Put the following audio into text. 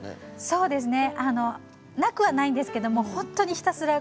そうですね。